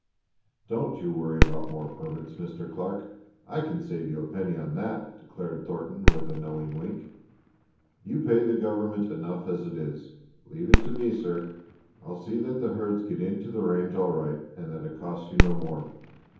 "Don't you worry about more permits, Mr. Clark. I can save you a penny on that," declared Thornton with a knowing wink. "You pay the government enough as it is. Leave it to me, sir. I'll see that the herds get into the range all right, and that it costs you no more.